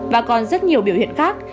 và còn rất nhiều biểu hiện khác